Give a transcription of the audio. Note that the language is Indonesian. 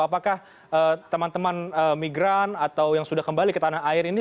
apakah teman teman migran atau yang sudah kembali ke tanah air ini